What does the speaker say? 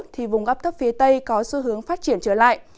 thì vùng gấp thấp phía tây có xu hướng phát triển trở lại